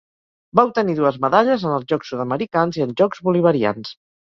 Va obtenir dues medalles en els Jocs Sud-americans i en Jocs Bolivarians.